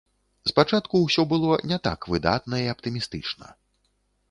Спачатку ўсё было не так выдатна і аптымістычна.